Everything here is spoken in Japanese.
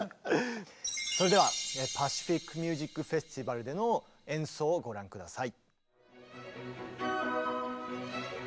それではパシフィック・ミュージック・フェスティバルでの演奏をご覧下さい。